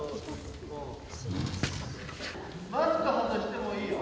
マスク外してもいいよ。